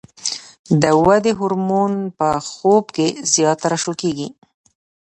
د ودې هورمون په خوب کې زیات ترشح کېږي.